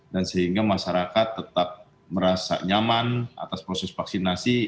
dan sehingga masyarakat tetap merasa nyaman atas proses vaksinasi